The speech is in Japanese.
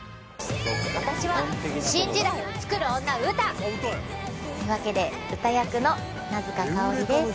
「私は新時代をつくる女ウタ」。というわけでウタ役の名塚佳織です。